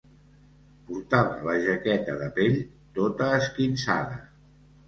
Portava la jaqueta de pell tota esquinçada